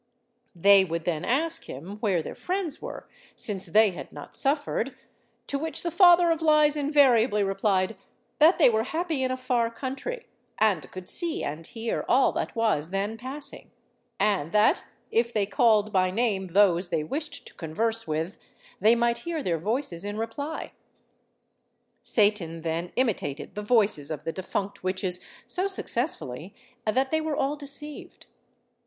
They would then ask him, where their friends were, since they had not suffered; to which the "Father of Lies" invariably replied, that they were happy in a far country, and could see and hear all that was then passing; and that, if they called by name those they wished to converse with, they might hear their voices in reply. Satan then imitated the voices of the defunct witches so successfully that they were all deceived.